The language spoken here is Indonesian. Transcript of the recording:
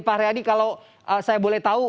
pak haryadi kalau saya boleh tahu